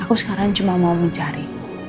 aku sekarang cuma mau mencari